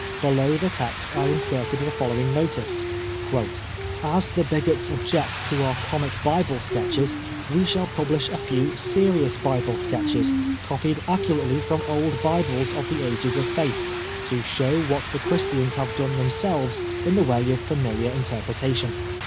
Below tibe text I inserted the following notice :" As the bigots object to our Comic Bible Sketches, we shall publish a few Serious Bible Sketches, copied accurately from old Bibles of the ages of faiUi, to show what the Christians have done themselves in the way of familiar interpre tation.